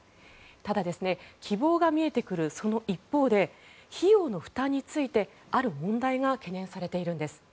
ただ希望が見えてくるその一方で費用の負担についてある問題が懸念されているんです。